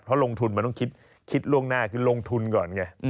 เพราะลงทุนมันต้องคิดล่วงหน้าคือลงทุนก่อนไง